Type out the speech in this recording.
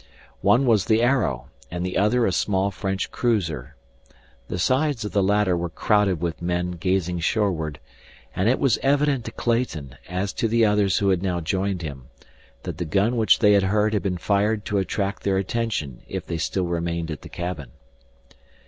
One was the Arrow and the other a small French cruiser. The sides of the latter were crowded with men gazing shoreward, and it was evident to Clayton, as to the others who had now joined him, that the gun which they had heard had been fired to attract their attention if they still remained at the cabin.